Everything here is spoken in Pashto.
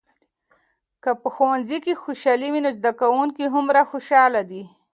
که په ښوونځي کې خوشالي وي، نو زده کوونکي هومره خوشحال دي.